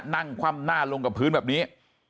คว่ำหน้าลงกับพื้นแบบนี้